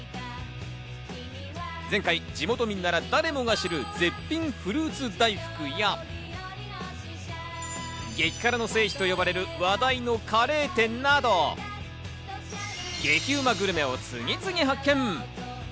前回、地元民なら誰もが知る絶品フルーツ大福や、激辛の聖地と呼ばれる話題のカレー店など、激うまグルメを次々に発見。